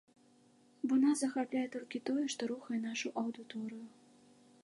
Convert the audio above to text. Бо нас захапляе толькі тое, што рухае нашу аўдыторыю.